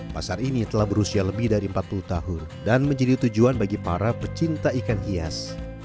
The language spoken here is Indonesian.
pasar ini telah berusia lebih dari empat puluh tahun dan menjadi tujuan bagi para pecinta ikan hias